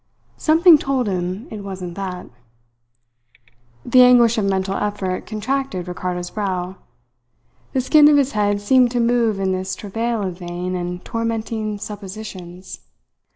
Something told him it wasn't that. The anguish of mental effort contracted Ricardo's brow. The skin of his head seemed to move in this travail of vain and tormenting suppositions.